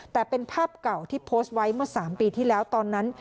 แต่เป็นภาพเก่าที่โพสต์ไว้เมื่อ๓ปีที่แล้วตอนนั้น